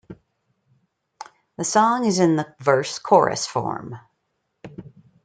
The song is in the verse-chorus form.